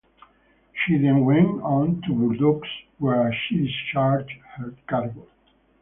She then went on to Bordeaux, where she discharged her cargo.